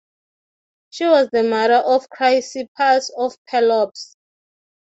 She was the mother of Chrysippus by Pelops.